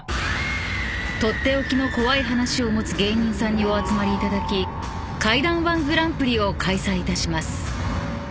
［取って置きの怖い話を持つ芸人さんにお集まりいただき怪談−１グランプリを開催いたします］